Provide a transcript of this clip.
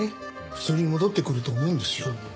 普通に戻ってくると思うんですよ。